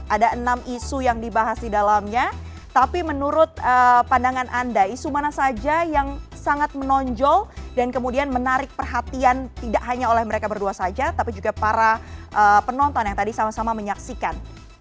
ada enam isu yang dibahas di dalamnya tapi menurut pandangan anda isu mana saja yang sangat menonjol dan kemudian menarik perhatian tidak hanya oleh mereka berdua saja tapi juga para penonton yang tadi sama sama menyaksikan